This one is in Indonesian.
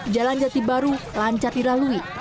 jalan jati baru lancar dilalui